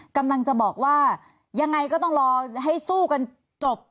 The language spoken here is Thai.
กำลังจะบอกว่ายังไงก็ต้องรอให้สู้กันจบ